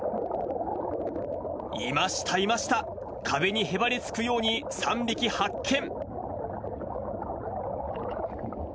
いました、いました、壁にへばりつくように、３匹発見。